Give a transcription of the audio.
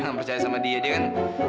yang percaya sama dia dia kan